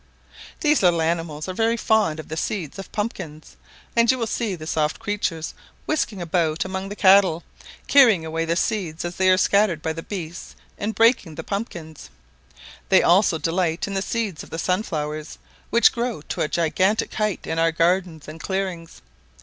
These little animals are very fond of the seeds of the pumpkins, and you will see the soft creatures whisking about among the cattle, carrying away the seeds as they are scattered by the beasts in breaking the pumpkins: they also delight in the seeds of the sunflowers, which grow to a gigantic height in our gardens and clearings.